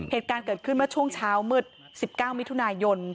เหตุการณ์เกิดขึ้นเมื่อช่วงเช้ามืด๑๙มิถุนายน